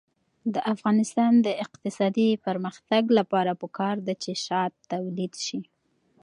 د افغانستان د اقتصادي پرمختګ لپاره پکار ده چې شات تولید شي.